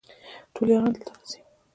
ټول یاران دلته راځي